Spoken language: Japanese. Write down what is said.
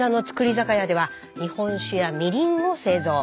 酒屋では日本酒やみりんを製造。